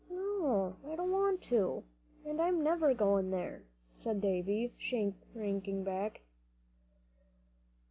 "No, I don't want to. I'm never goin' there," said Davie, shrinking back.